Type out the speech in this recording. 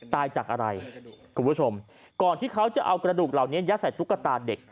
ตายจากอะไรคุณผู้ชมก่อนที่เขาจะเอากระดูกเหล่านี้ยัดใส่ตุ๊กตาเด็ก